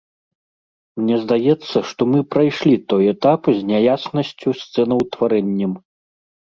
Мне здаецца, што мы прайшлі той этап з няяснасцю з цэнаўтварэннем.